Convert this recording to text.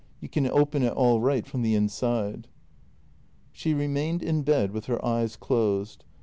You can open it all right from the inside." She remained in bed with her eyes closed.